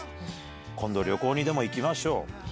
今度、旅行にでも行きましょう。